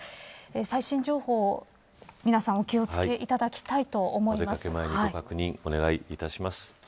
最新情報皆さん、お気を付けいただきたい確認、お願いいたします。